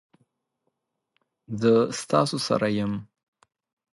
زه ستاسو سره یم